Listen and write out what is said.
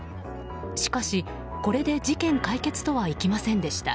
しかし、これで事件解決とはいきませんでした。